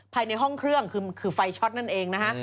ภายในห้องเครื่องคือไฟช็อตนั่นเองนะฮะ